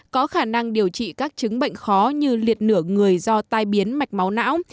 có khả năng điều trị các chứng bệnh khó như liệt nửa người do tai biến mạch máu não